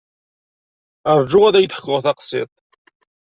Rju ad k-d-ḥkuɣ taqsiṭ.